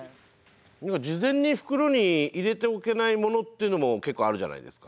事前に袋に入れておけないものっていうのも結構あるじゃないですか。